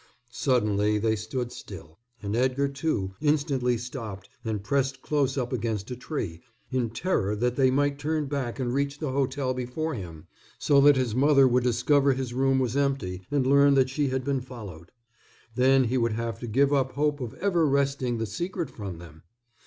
Suddenly they stood still, and Edgar, too, instantly stopped and pressed close up against a tree, in terror that they might turn back and reach the hotel before him, so that his mother would discover his room was empty and learn that she had been followed. Then he would have to give up hope of ever wresting the secret from them.